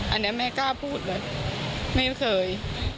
อันนี้แม่กล้าพูดเลยไม่เคย